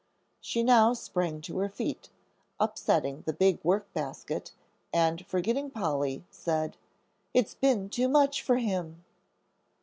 She now sprang to her feet, upsetting the big work basket, and forgetting Polly, said, "It's been too much for him."